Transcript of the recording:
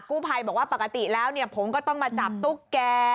กู้ภัยบอกว่าปกติแล้วเนี่ยผมก็ต้องมาจับตุ๊กแก